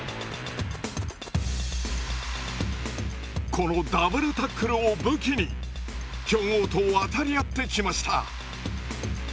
このダブルタックルを武器に強豪と渡り合ってきました。